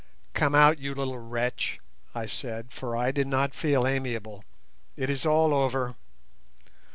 "Come out, you little wretch," I said, for I did not feel amiable; "it is all over."